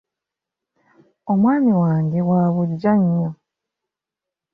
Omwami wange wa buggya nnyo.